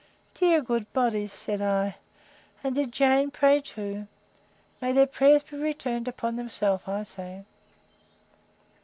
Dear good bodies! said I; and did Jane pray too? May their prayers be returned upon themselves, I say!